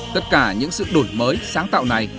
tất cả những sự đổi mới sáng tạo này